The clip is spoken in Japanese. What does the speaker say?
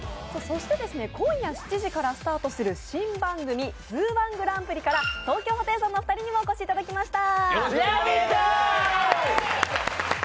今夜７時からスタートする新番組「ＺＯＯ−１グランプリ」から東京ホテイソンの２人にもお越しいただきました。